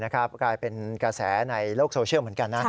กลายเป็นกระแสในโลกโซเชียลเหมือนกันนะ